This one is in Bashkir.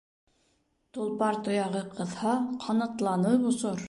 Толпар тояғы ҡыҙһа, ҡанатланып осор.